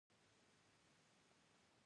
ځنګل د انسان ملګری دی.